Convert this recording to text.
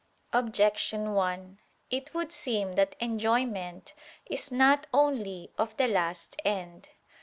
Objection 1: It would seem that enjoyment is not only of the last end.